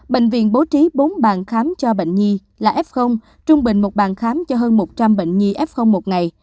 bệnh viện bố trí bốn bàn khám cho bệnh nhi là f trung bình một bàn khám cho hơn một trăm linh bệnh nhi f một ngày